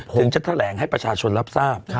ถึงจะแถลงให้ประชาชนรับทราบ